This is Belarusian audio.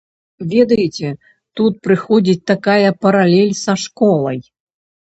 Ведаеце, тут прыходзіць такая паралель са школай.